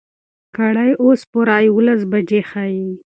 ګړۍ اوس پوره يولس بجې ښيي.